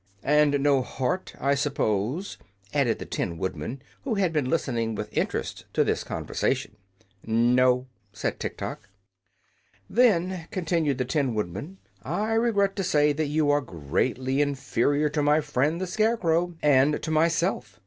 "And no heart, I suppose?" added the Tin Woodman, who had been listening with interest to this conversation. "No," said Tiktok. "Then," continued the Tin Woodman, "I regret to say that you are greatly inferior to my friend the Scarecrow, and to myself.